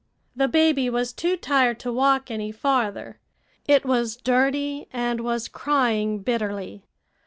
The baby was too tired to walk any farther; it was dirty, and was crying bitterly.